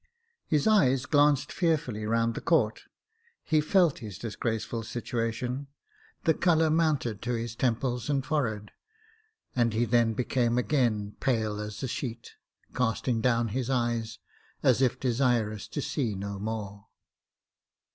His eyes glanced fearfully round the court — he felt his disgraceful situation — the colour mounted to his temples and forehead, and he then became again pale as a sheet, casting down his eyes, as if desirous to see no more.